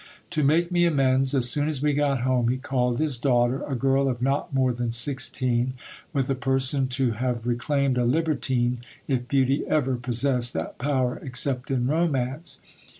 To make me amends, as soon as we got home, he called his daughter, a girl of not more than sixteen, with a person to have reclaimed a libertine, if beauty ever pos sessed that power except in romance.